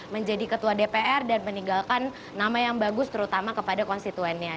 menjadi ketua dpr dan meninggalkan nama yang bagus terutama kepada konstituennya